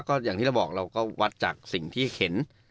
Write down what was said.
ก็อย่างที่เราบอกเราก็วัดจากสิ่งที่เห็น